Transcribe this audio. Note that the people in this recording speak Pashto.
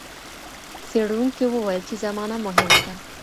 څېړونکي وویل چي زمانه مهمه ده.